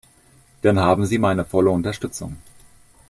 Dann haben Sie meine volle Unterstützung!